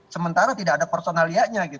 sementara tidak ada personalianya gitu kan